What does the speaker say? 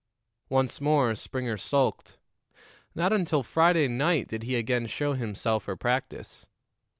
Once more Springer sulked; not until Friday night did he again show himself for practice.